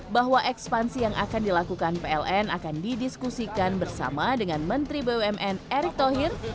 bahwa ekspansi yang akan dilakukan pln akan didiskusikan bersama dengan menteri bumn erick thohir